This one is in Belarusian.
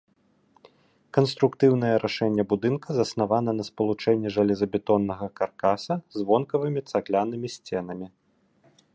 Канструктыўнае рашэнне будынка заснавана на спалучэнні жалезабетоннага каркаса з вонкавымі цаглянымі сценамі.